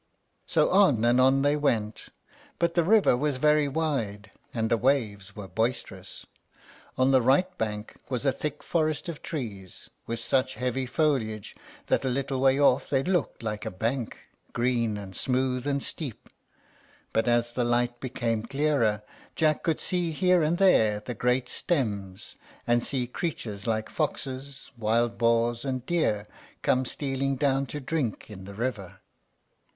So on and on they went; but the river was very wide, and the waves were boisterous. On the right brink was a thick forest of trees, with such heavy foliage that a little way off they looked like a bank, green, and smooth, and steep; but as the light became clearer, Jack could see here and there the great stems, and see creatures like foxes, wild boars, and deer, come stealing down to drink in the river.